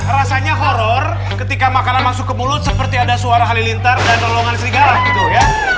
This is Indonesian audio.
rasanya horror ketika makanan masuk ke mulut seperti ada suara halilintar dan rolongan serigala